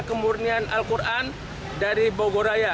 kemurnian al quran dari bogor raya